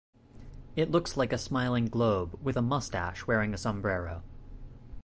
It looks like a smiling globe with a moustache wearing a sombrero.